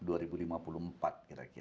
wow lebih daripada izin pak enan